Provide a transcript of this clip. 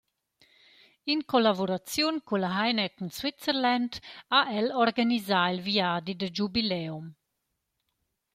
In collavuraziun culla «Heineken Switzerland» ha el organisà il viadi da giubileum.